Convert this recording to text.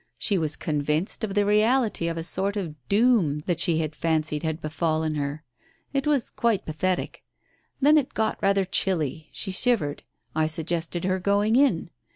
She was convinced of the reality pf a sort of ' doom ' that she had fancied had befallen her. It was quite pathetic. Then it got rather chilly — she shivered — I suggested her going in.